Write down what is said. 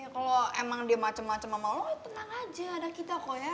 kalau emang dia macem macem sama lo tenang aja ada kita kok ya